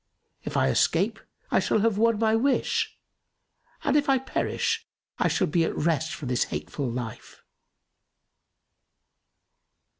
If I escape, I shall have won my wish and if I perish, I shall be at rest from this hateful life."